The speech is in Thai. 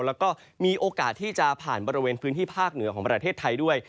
แล้วก็มีโอกาสที่จะผ่านบริเวณพื้นที่ภาคเหนือของประเทศไทยด้วย